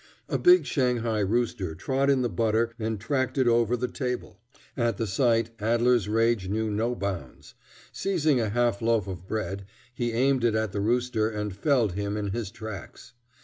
A big Shanghai rooster trod in the butter and tracked it over the table. At the sight Adler's rage knew no bounds. Seizing a half loaf of bread, he aimed it at the rooster and felled him in his tracks.